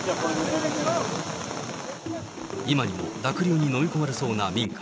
今にも濁流に飲み込まれそうな民家。